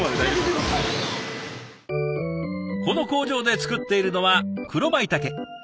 この工場で作っているのは黒まいたけ。